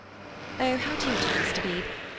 "Oh, how do you do, Mr. Beebe?